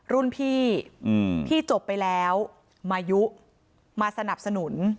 รุ่นพี่พี่จบไปแล้วมายุมาสนับสนุน